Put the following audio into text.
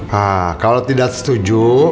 haa kalau tidak setuju